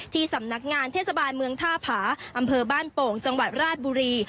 ที่สำนักงานเทศบาลเมืองท่าผาอำเภอบ้านโป่งจังหวัดราชบุรี